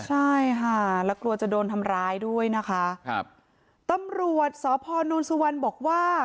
ใช่ค่ะแล้วกลัวจะโดนทำร้ายด้วยนะคะครับตำรวจสพนสุวรรณบอกว่า